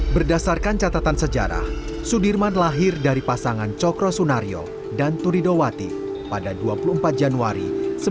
berdasarkan catatan sejarah sudirman lahir dari pasangan cokro sunario dan turido wati pada dua puluh empat januari seribu sembilan ratus empat puluh